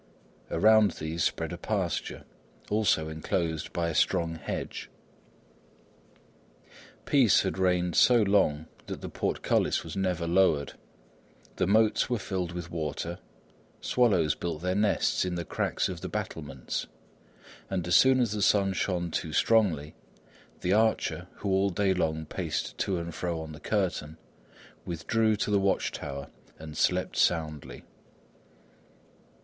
Around these spread a pasture, also enclosed by a strong hedge. Peace had reigned so long that the portcullis was never lowered; the moats were filled with water; swallows built their nests in the cracks of the battlements, and as soon as the sun shone too strongly, the archer who all day long paced to and fro on the curtain, withdrew to the watch tower and slept soundly.